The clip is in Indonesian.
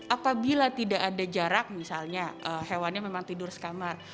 apabila tidak ada jarak misalnya hewannya memang tidur sekamar